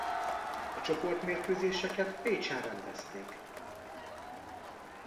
A csoportmérkőzéseket Pécsen rendezték.